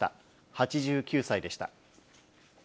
８９歳でした。